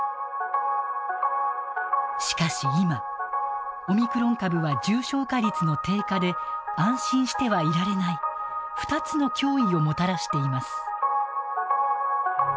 しかし今、オミクロン株は重症化率の低下で安心してはいられない２つの脅威をもたらしています。